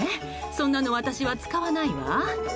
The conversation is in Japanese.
そんなの私は使わないわ。